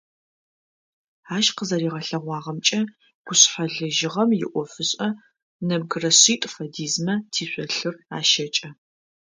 Ащ къызэригъэлъэгъуагъэмкӏэ, гушъхьэлэжьыгъэм иӏофышӏэ нэбгырэ шъитӏу фэдизмэ тишъолъыр ащэкӏэ.